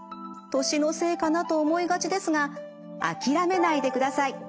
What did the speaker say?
年のせいかなと思いがちですが諦めないでください。